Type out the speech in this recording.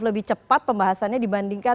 lebih cepat pembahasannya dibandingkan